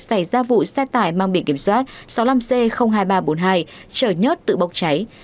xảy ra vụ xe tải mang biển kiểm soát sáu mươi năm c hai nghìn ba trăm bốn mươi hai chở nhớt tự bốc cháy